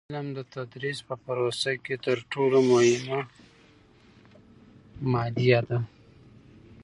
د علم د تدریس په پروسه کې تر ټولو مهمه مادیه ده.